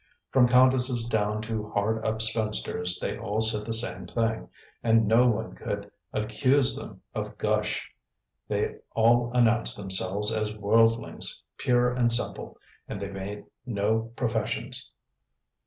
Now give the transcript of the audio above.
From countesses down to hard up spinsters, they all said the same thing, and no one could accuse them of "gush." They all announced themselves as worldlings, pure and simple, and they made no professions.